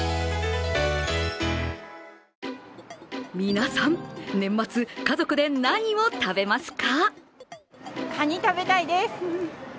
皆さん、年末、家族で何を食べますか？